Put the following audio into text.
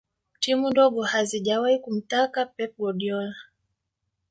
timu ndogo hazijawahi kumtaka pep guardiola